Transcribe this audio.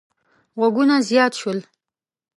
غږونه زیات شول.